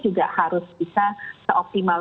juga harus bisa seoptimal